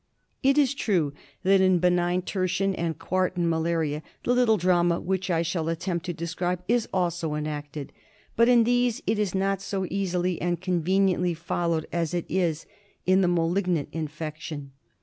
It is^ true that in benign tertian and quartan malaria the little drama which I shall attempt to describe is also enacted ; but in these it is not so easily and conveniently followed as it is in the malignant infection.